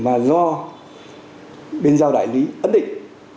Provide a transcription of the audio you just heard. mà do bên giao đại lý ấn định